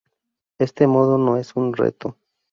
Este modo no es un reto.